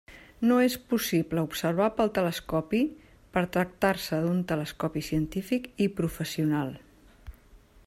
No és possible observar pel telescopi per tractar-se un telescopi científic i professional.